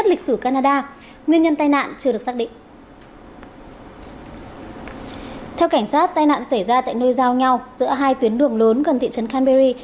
theo cảnh sát tai nạn xảy ra tại nút giao nhau giữa hai tuyến đường lớn gần thị trấn canberry